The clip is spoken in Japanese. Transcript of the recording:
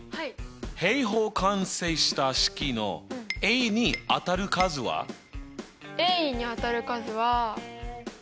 平方完成した式のにあたる数は？にあたる数は１かな？